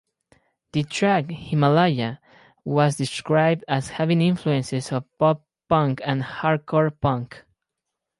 The track "Himalaya" was described as having influences of pop punk and hardcore punk.